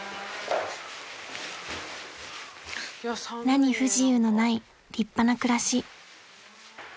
［何不自由のない立派な暮らし］